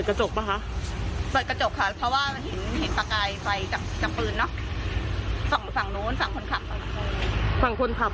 ค่าไม่ชัดเนอะ